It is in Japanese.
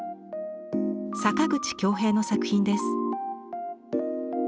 坂口恭平の作品です。